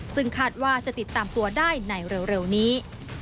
ซึ่งคาดว่าจะติดตามตัวได้ในเร็วนี้